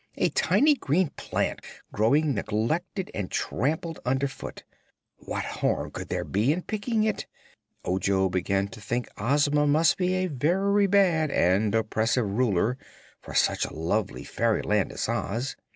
A tiny green plant growing neglected and trampled under foot. What harm could there be in picking it? Ojo began to think Ozma must be a very bad and oppressive Ruler for such a lovely fairyland as Oz.